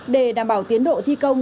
để đảm bảo tiến độ thi công